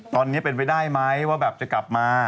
ตอนนี้เป็นไปได้ไหมว่าแบบจะกลับมา